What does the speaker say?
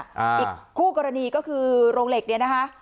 อีกคู่กรณีก็คือโรงเหล็กเนี่ยนะคะ